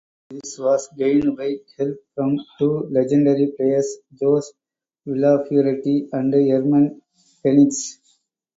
This was gained by help from two legendary players Jose Villafuerte and Ermen Benitez.